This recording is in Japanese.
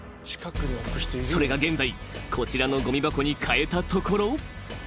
［それが現在こちらのごみ箱に変えたところ］